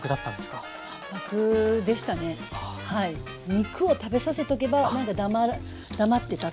肉を食べさせとけば何か黙ってたっていう。